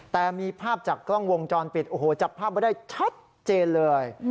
แต่มีภาพจากกล้องวงจรปิดโอ้โหจับภาพไว้ได้ชัดเจนเลย